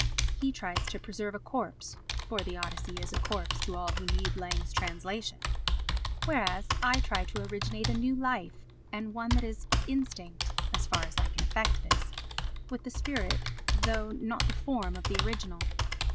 He tries to preserve a corpse (for the Odyssey is a corpse to all who need Lang's translation), whereas I try to originate a new life and one that is instinct (as far as I can effect this) with the spirit though not the form of the original.